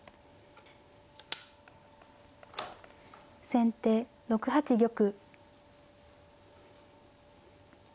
先手６八玉。